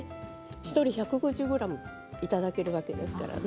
１人１５０ｇいただけるわけですから。